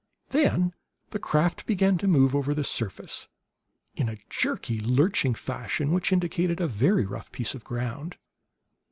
Then the craft began to move over the surface, in a jerky, lurching fashion which indicated a very rough piece of ground.